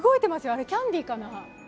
あれ、キャンディーかな？